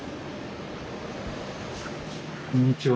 こんにちは。